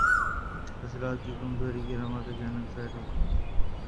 عضلات کی کمزوری کی علامات اچانک ظاہر ہوتی ہیں